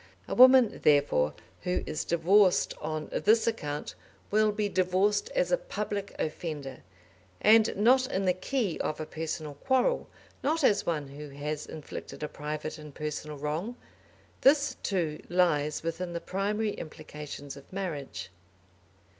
A woman, therefore, who is divorced on this account will be divorced as a public offender, and not in the key of a personal quarrel; not as one who has inflicted a private and personal wrong. This, too, lies within the primary implications of marriage.